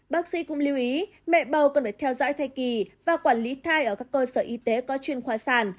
bác sĩ cũng lưu ý mẹ bầu cần phải theo dõi thai kỳ và quản lý thai ở các cơ sở y tế có chuyên khoa sản